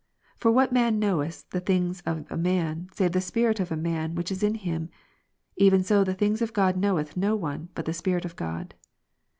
1 Cor. For what man knoweth the things of a man, save the spirit of a ''' man, ivhich is in him ? even so the things of God knoiveth no one, but the Spirit of God.